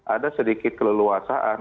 ada sedikit keleluasaan